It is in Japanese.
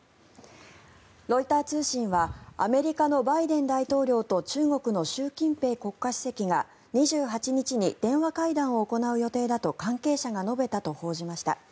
ロイター通信はアメリカのバイデン大統領と中国の習近平国家主席が２８日に電話会談を行う予定だと関係者が述べたと報じました。